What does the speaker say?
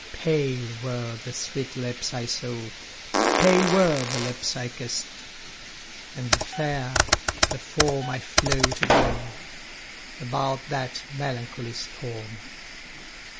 Pale were the sweet lips I saw, Pale were the lips I kiss'd, and fair the form I floated with, about that melancholy storm.